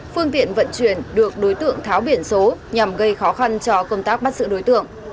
phương tiện vận chuyển được đối tượng tháo biển số nhằm gây khó khăn cho công tác bắt sự đối tượng